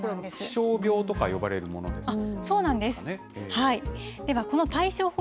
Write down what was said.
気象病とか呼ばれるものですね。